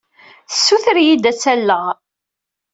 Tessuter-iyi-d ad tt-alleɣ.